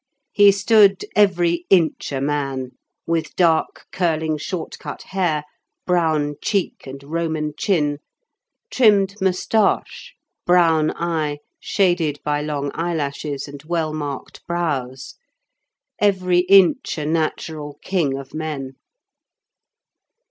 He stood every inch a man, with dark, curling, short cut hair, brown cheek and Roman chin, trimmed moustache, brown eye, shaded by long eyelashes and well marked brows; every inch a natural king of men.